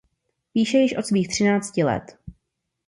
Píše již od svých třinácti let.